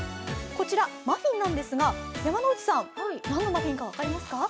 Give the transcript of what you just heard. こちらマフィンなんですが山内さん、何のマフィンか分かりますか？